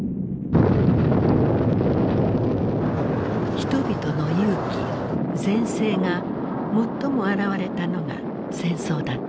人々の勇気善性が最も現れたのが戦争だった。